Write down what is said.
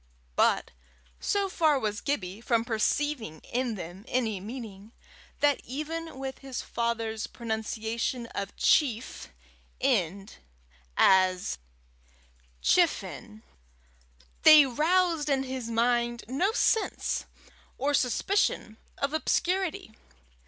But so far was Gibbie from perceiving in them any meaning, that even with his father's pronunciation of chief end as chifenn, they roused in his mind no sense or suspicion of obscurity.